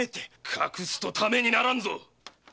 隠すとためにならんぞ！